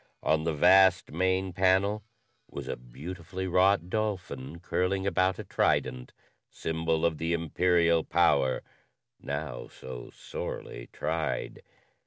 On the vast main panel was a beautifully wrought dolphin curling about a trident symbol of the imperial power now so sorely tried.